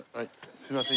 すいません